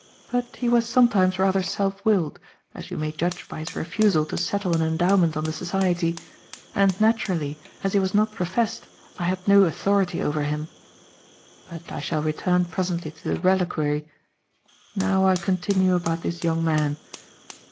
But he was sometimes rather self willed, as you may judge by his refusal to settle an endowment on the Society, and, naturally, as he was not professed, I had no authority over him. But I shall return presently to the reliquary. Now I continue about this young man.